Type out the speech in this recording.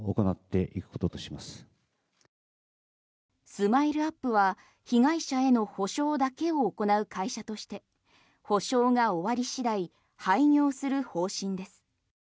ＳＭＩＬＥ−ＵＰ．は被害者への補償だけを行う会社として補償が終わり次第廃業する方針です。